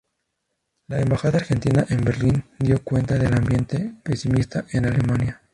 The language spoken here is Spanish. La embajada argentina en Berlín dio cuenta del ambiente pesimista en Alemania.